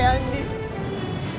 kasian dia dibohongin terus